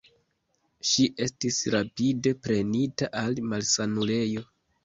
Ŝi estis rapide prenita al malsanulejo.